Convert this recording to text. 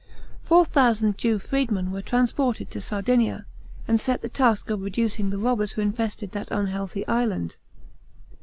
Four thousand Jew freedmen were transported to Sardinia, and set the task of reduce the robbers who infested that unhealthy island.